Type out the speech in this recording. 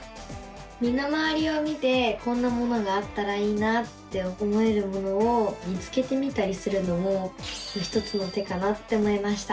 身の回りを見てこんなものがあったらいいなって思えるものを見つけてみたりするのも一つの手かなって思いました。